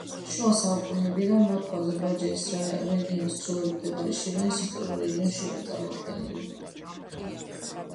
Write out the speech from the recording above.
შუა საუკუნეებიდან ბაქო აზერბაიჯანის რეგიონის ჩრდილოეთით მდებარე შირვანის ისტორიულ რეგიონში იყო წარმოდგენილი.